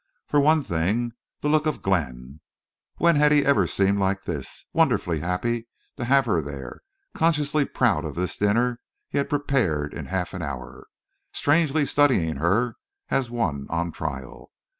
For one thing, the look of Glenn! When had he ever seemed like this, wonderfully happy to have her there, consciously proud of this dinner he had prepared in half an hour, strangely studying her as one on trial?